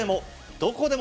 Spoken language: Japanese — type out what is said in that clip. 「どこでも」